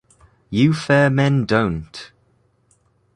You fair men don't.